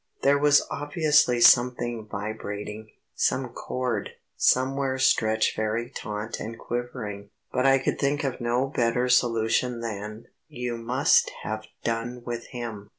There was obviously something vibrating; some cord, somewhere, stretched very taut and quivering. But I could think of no better solution than: "You must have done with him."